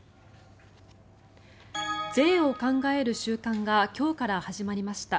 税を考える週間が今日から始まりました。